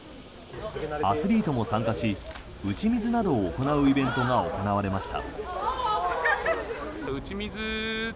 アスリートも参加し打ち水などを行うイベントが行われました。